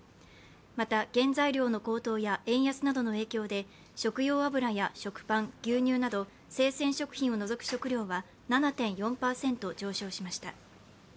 また、原材料の高騰や円安などの影響で食用油や食パン、牛乳など生鮮食品を除く食料は７．４％上昇しました。